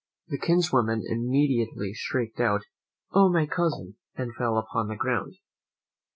The kinswoman immediately shrieked out, "Oh, my cousin!" and fell upon the ground.